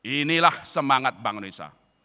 inilah semangat bank indonesia